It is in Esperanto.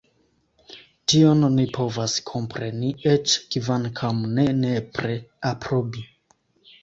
Tion ni povas kompreni, eĉ kvankam ne nepre aprobi.